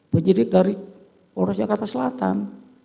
penyidik dari polres jakarta selatan